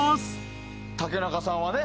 竹中さんはね